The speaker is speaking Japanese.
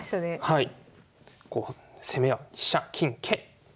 はい。